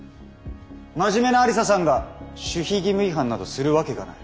真面目な愛理沙さんが守秘義務違反などするわけがない。